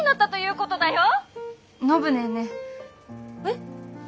えっ？